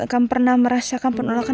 kadang lagi pada pelukan